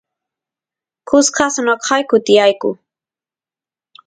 kusqas noqayku tiyayku